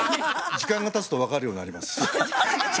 時間がたつと分かるようになります。